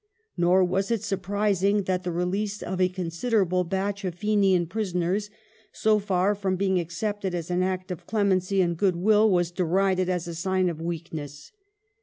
Nor was it surprising that the release of a considerable batch of Fenian prisoners, so far from being accepted as an act of clemency and goodwill, was derided as a sign of weak ness.